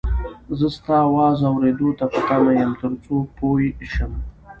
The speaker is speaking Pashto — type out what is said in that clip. زه ستا اواز اورېدو ته په تمه یم تر څو پوی شم